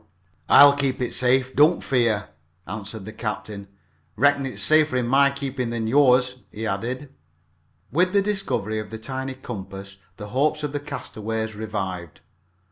"I'll keep it safe, don't fear," answered the captain. "Reckon it is safer in my keepin' than yours," he added. With the discovery of the tiny compass the hopes of the castaways revived.